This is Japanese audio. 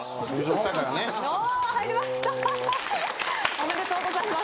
おめでとうございます。